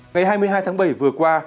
ngày hai mươi hai tháng bảy vừa qua